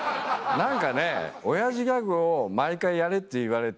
何かねオヤジギャグを毎回やれって言われて。